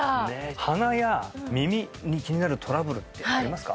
鼻や耳で気になるトラブルってありますか？